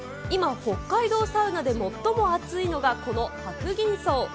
今、北海道サウナで最も熱いのが、この白銀荘。